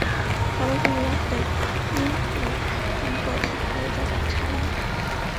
条纹分布样式的因不同个体而有较大的差异。